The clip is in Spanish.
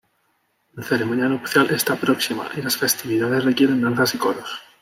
La ceremonia nupcial está próxima y las festividades requieren danzas y coros.